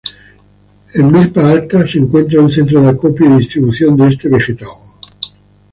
En Milpa Alta se encuentra un centro de acopio y distribución de este vegetal.